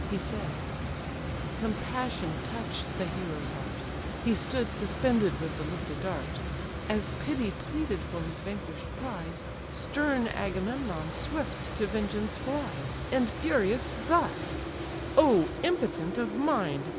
He said: compassion touch'd the hero's heart He stood, suspended with the lifted dart: As pity pleaded for his vanquish'd prize, Stern Agamemnon swift to vengeance flies, And, furious, thus: "Oh impotent of mind!